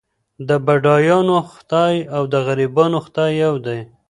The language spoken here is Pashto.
د بډایانو خدای او د غریبانو خدای یو دی.